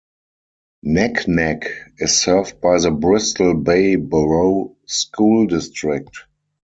Naknek is served by the Bristol Bay Borough School District.